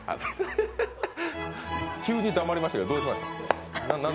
急に黙りましたけどどうしました？